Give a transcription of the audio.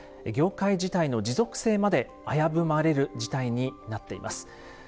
業界自体の持続性まで危ぶまれる事態になっています。